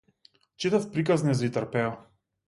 Читав приказни за Итар Пејо.